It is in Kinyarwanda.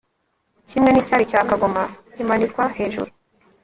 Kimwe nicyari cya kagoma kimanikwa hejuru